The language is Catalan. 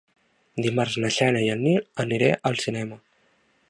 Dimarts na Xènia i en Nil aniré al cinema.